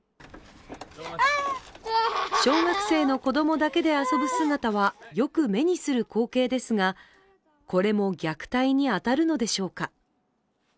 小学生の子供だけで遊ぶ姿はよく目にする光景ですが、これも虐待に当たるのでしょうか。